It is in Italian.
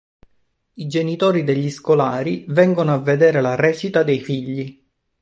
I genitori degli scolari vengono a vedere la recita dei figli.